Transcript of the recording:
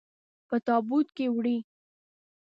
په تابوت کې وړئ.